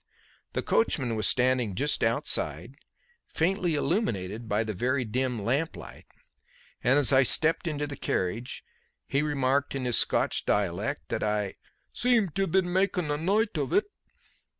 The coachman was standing just outside, faintly illuminated by the very dim lamplight, and as I stepped into the carriage he remarked in his Scotch dialect that I "seemed to have been makin' a nicht of it."